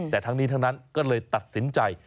แต่ทั้งนี้ทั้งนั้นก็เลยตัดสินใจ